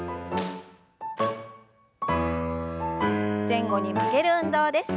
前後に曲げる運動です。